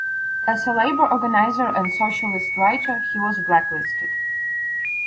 As a labor organizer and socialist writer, he was blacklisted.